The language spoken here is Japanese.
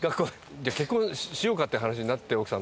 結婚しようかっていう話になって奥さんと。